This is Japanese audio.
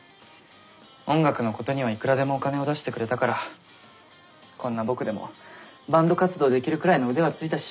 音楽のことにはいくらでもお金を出してくれたからこんな僕でもバンド活動できるくらいの腕はついたし。